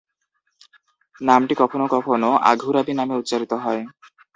নামটি কখনও কখনও 'আঘুরাবি' নামে উচ্চারিত হয়।